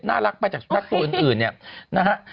น่ารักไปจากสุนัขตัวอื่นนะครับ